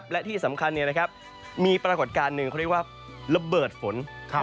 และที่สำคัญมีปรากฏการณ์หนึ่งเขาเรียกว่าระเบิดฝน